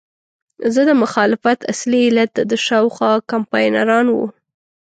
زما د مخالفت اصلي علت دده شاوخوا کمپاینران وو.